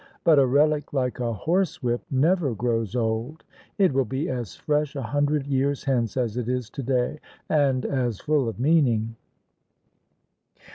But a relic like a horsewhip never grows old ! It will be as fresh a hundred years hence as it is today — and as full of meaning."